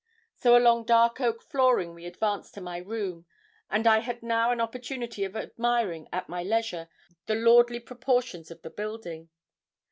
So along dark oak flooring we advanced to my room, and I had now an opportunity of admiring, at my leisure, the lordly proportions of the building.